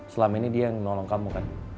selama ini dia yang nolong kamu kan